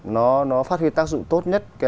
nó phát huy tác dụng tốt nhất